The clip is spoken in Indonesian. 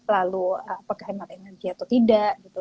lalu apakah hemat energi atau tidak gitu